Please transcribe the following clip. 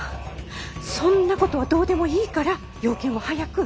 そんなことはどうでもいいから用件を早く。